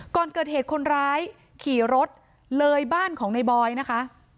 ก่อนเกิดเหตุคนร้ายขี่รถเลยบ้านของในบอยนะคะ